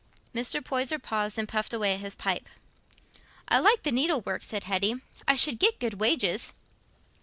Mr. Poyser paused, and puffed away at his pipe. "I like the needlework," said Hetty, "and I should get good wages."